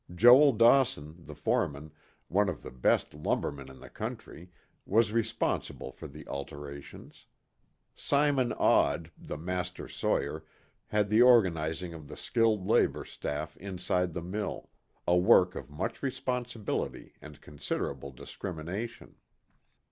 Joel Dawson, the foreman, one of the best lumbermen in the country, was responsible for the alterations. Simon Odd, the master sawyer, had the organizing of the skilled labor staff inside the mill, a work of much responsibility and considerable discrimination.